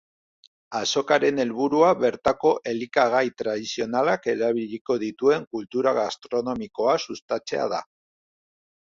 Azokaren helburua bertako elikagai tradizionalak erabiliko dituen kultura gastronomikoa sustatzea da.